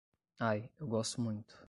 Ai, eu gosto muito